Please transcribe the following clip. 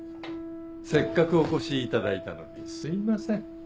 せっかくお越しいただいたのにすいません。